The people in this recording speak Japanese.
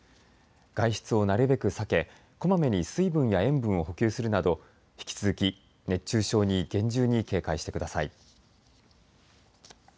外出をなるべく避け、こまめに水分や塩分を補給するなど引き続き熱中症に厳重に警戒してください。